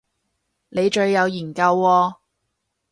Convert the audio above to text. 你最有研究喎